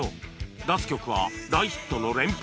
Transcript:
出す曲は大ヒットの連発